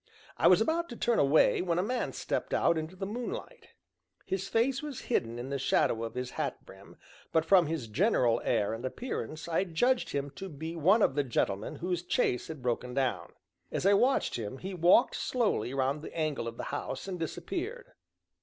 I was about to turn away when a man stepped out into the moonlight. His face was hidden in the shadow of his hat brim, but from his general air and appearance I judged him to be one of the gentlemen whose chaise had broken down. As I watched him he walked slowly round the angle of the house and disappeared.